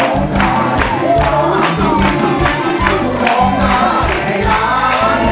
กฎ๓มูลค่า๔๐๐๐๐บาท